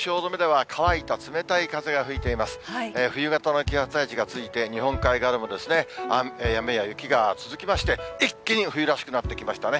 冬型の気圧配置が続いて、日本海側でも雨や雪が続きまして、一気に冬らしくなってきましたね。